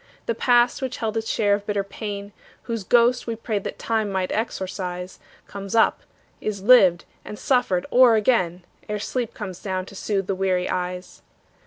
The past which held its share of bitter pain, Whose ghost we prayed that Time might exorcise, Comes up, is lived and suffered o'er again, Ere sleep comes down to soothe the weary eyes.